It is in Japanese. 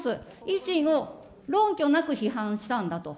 維新を論拠なく批判したんだと。